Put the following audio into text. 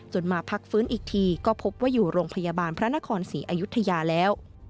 มาพักฟื้นอีกทีก็พบว่าอยู่โรงพยาบาลพระนครศรีอยุธยาแล้ว